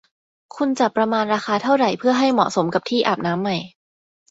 คุณจะประมาณราคาเท่าไหร่เพื่อให้เหมาะสมกับที่อาบน้ำใหม่